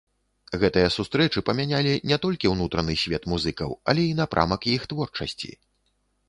Гэтыя сустрэчы памянялі не толькі ўнутраны свет музыкаў, але і напрамак іх творчасці.